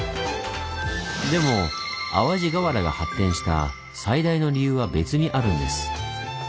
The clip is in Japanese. でも淡路瓦が発展した最大の理由は別にあるんです。